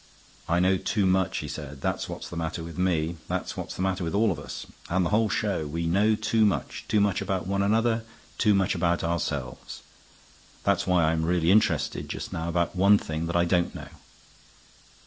"I know too much," he said. "That's what's the matter with me. That's what's the matter with all of us, and the whole show; we know too much. Too much about one another; too much about ourselves. That's why I'm really interested, just now, about one thing that I don't know."